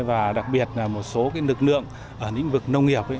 và đặc biệt là một số lực lượng ở lĩnh vực nông nghiệp